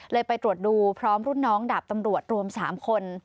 ไปตรวจดูพร้อมรุ่นน้องดาบตำรวจรวม๓คน